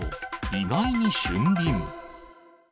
意外に俊敏。